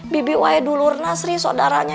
bibi waedulurnas sri sodaranya